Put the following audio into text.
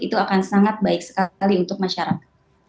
itu akan sangat baik sekali untuk masyarakat